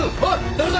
誰だ！？